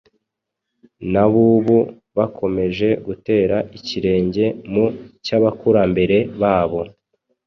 n’ab’ubu bakomeje gutera ikirenge mu cy’abakurambere babo